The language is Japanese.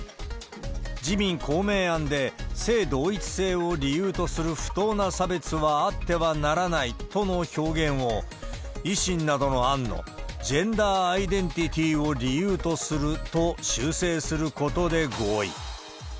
自民、公明案で性同一性を理由とする不当な差別はあってはならないとの表現を、維新などの案の、ジェンダーアイデンティティを理由とすると修正することで合意。